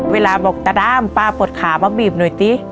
เวลาบอกตาด้ามป้าปวดขามาบีบหน่อยสิ